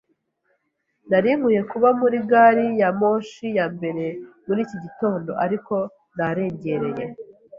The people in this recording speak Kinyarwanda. Nari nkwiye kuba muri gari ya moshi ya mbere muri iki gitondo, ariko nararengereye.